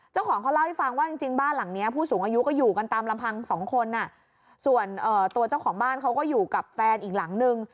เจ้าของเขาเล่าให้ฟังว่าจริงจริงบ้านหลังเนี้ยผู้สูงอายุก็อยู่กันตามลำพังสองคนอ่ะส่วนตัวเจ้าของบ้านเขาก็อยู่กับแฟนอีกหลังนึง